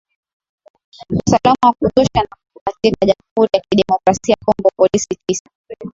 usalama wa kutosha na katika jamhuri ya kidemokrasia congo polisi tisa